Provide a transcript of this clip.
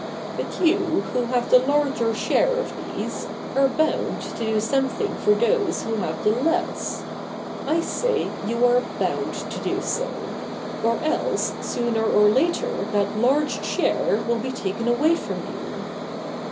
But you who have the larger share of these are bound to do something for those who have the less. I say you are bound to do so \ or else sooner or later that large share will be taken away from you.